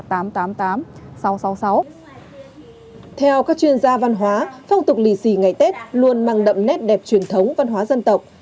theo các chuyên gia văn hóa phong tục lì xì ngày tết luôn mang đậm nét đẹp truyền thống văn hóa dân tộc